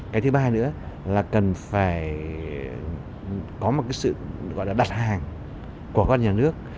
cái thứ ba nữa là cần phải có một sự đặt hàng của các nhà nước